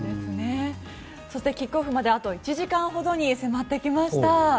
そしてキックオフまであと１時間ほどに迫ってきました。